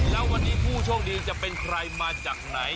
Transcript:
แล้ววันนี้ผู้โชคดีจะเป็นใครมาจากไหน